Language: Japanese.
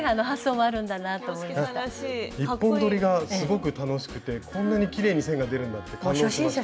１本どりがすごく楽しくてこんなにきれいに線が出るんだって感動しました。